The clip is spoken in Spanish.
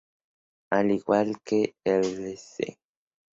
Al igual que "Cl.